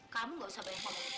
kamu gak usah banyak ngomong